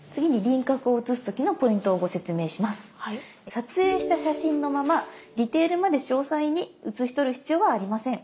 撮影した写真のままディテールまで詳細に写しとる必要はありません。